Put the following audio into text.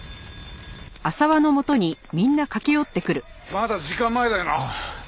まだ時間前だよな！？